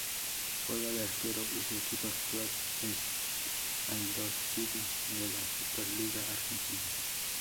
Juega de arquero y su equipo actual es Aldosivi, de la Superliga Argentina.